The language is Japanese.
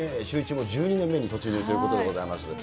シューイチも１２年目に突入ということでございます。